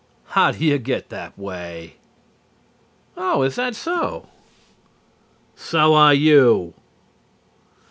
"How do you get that way?" "Oh, is that so?" "So are you."